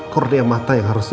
koronimata yang harusnya di